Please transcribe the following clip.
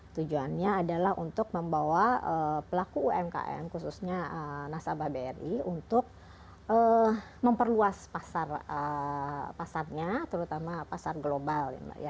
tujuannya adalah untuk membawa pelaku umkm khususnya nasabah bri untuk memperluas pasarnya terutama pasar global